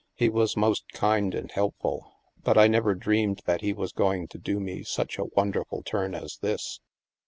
He was most kind and help ful. But I never dreamed that he was going to do me such a wonderful turn as this."